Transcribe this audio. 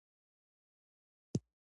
پوهنتون د شخصیت جوړونې ځای دی.